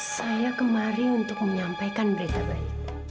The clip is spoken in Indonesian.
saya kemari untuk menyampaikan berita baik